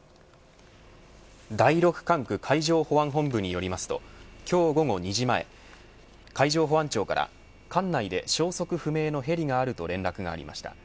第６管区海上保安本部によりますと今日午後２時前海上保安庁から管内で消息不明のヘリがあると連絡がありました。